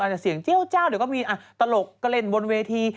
อาจจะเสียงเจ้าเดี๋ยวก็มีอ่ะตลกกระเร่นบนเวที